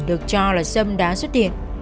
được cho là sâm đã xuất hiện